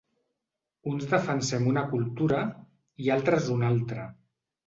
Uns defensem una cultura, i altres una altra.